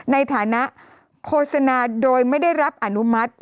ในฐานะโฆษณาโดยไม่ได้รับอนุมัติ